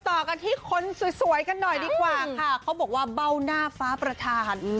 ต่อกันที่คนสวยกันหน่อยดีกว่าค่ะเขาบอกว่าเบ้าหน้าฟ้าประธาน